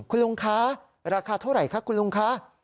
คุณลุงคะราคาเท่าไหร่คะคุณลุงคะ